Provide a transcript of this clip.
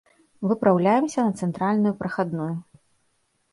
Выпраўляемся на цэнтральную прахадную.